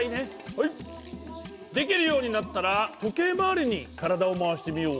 はいできるようになったら時計回りに体を回してみよう。